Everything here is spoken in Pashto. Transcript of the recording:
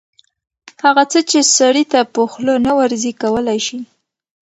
هغه څه چې سړي ته په خوله نه ورځي کولی شي